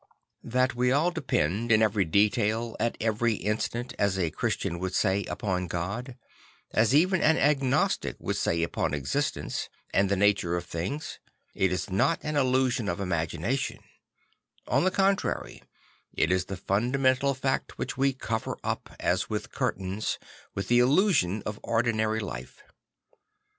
That we all depend in every detail, at every instant, as a Christian would say upon God, as even an agnostic would say upon existence and the nature of things, is not an illusion of imagination; on the contrary, it is the fundamental fact which we cover up, as with curtains, with the illusion of ordinary life.